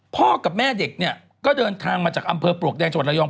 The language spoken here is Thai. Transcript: พ่อกับแม่เด็กเนี่ยก็เดินทางมาจากอำเภอปลวกแดงจังหวัดระยอง